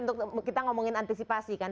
untuk kita ngomongin antisipasi kan